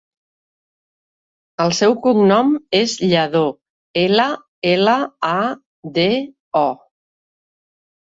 El seu cognom és Llado: ela, ela, a, de, o.